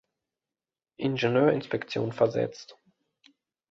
Ingenieurinspektion versetzt.